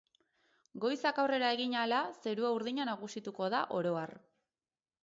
Goizak aurrera egin ahala zeruan urdina nagusituko da oro har.